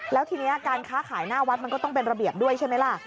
แล้วทีนี้การค้าขายหน้าวัดมันก็ต้องเป็นระเบียบด้วยใช่ไหมล่ะ